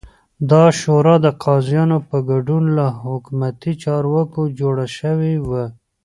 دا شورا د قاضیانو په ګډون له حکومتي چارواکو جوړه شوې وه